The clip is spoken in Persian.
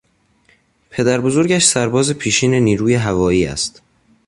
پدربزرگش سرباز پیشین نیروی هوایی است.